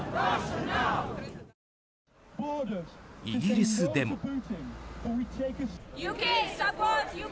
イギリスでも。